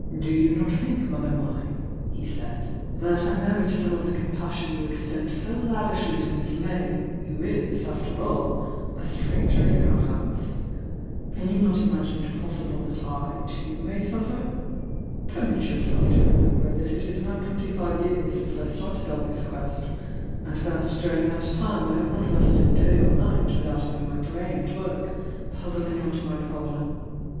"Do you not think, Mother mine," he said, "that I merit some of the compassion you extend so lav ishly to Miss May, who is, after all, a stranger in our house? Can you not imagine it possible Uiat I, too, may suffer? Permit yourself to remember that it is now twenty five years since I started on this quest, and that during that time I have not rested day or night without having my brain at work, puz zling out my problem.